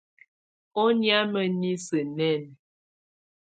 Ɔ́ nɛ̀ámɛ̀á niisǝ́ nɛ́ɛnɛ.